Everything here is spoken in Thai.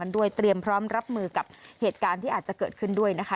เตรียมพร้อมรับมือกับเหตุการณ์ที่อาจจะเกิดขึ้นด้วยนะคะ